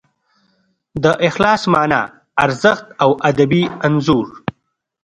د اخلاص مانا، ارزښت او ادبي انځور